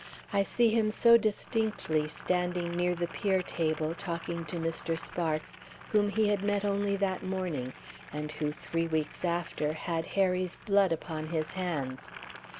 I see him so distinctly standing near the pier table, talking to Mr. Sparks, whom he had met only that morning, and who, three weeks after, had Harry's blood upon his hands.